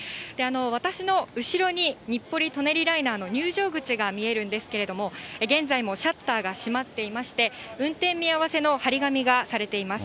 私の後ろに日暮里・舎人ライナーの入場口が見えるんですけれども、現在もシャッターが閉まっていまして、運転見合わせの貼り紙がされています。